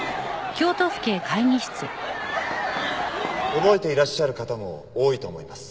覚えていらっしゃる方も多いと思います。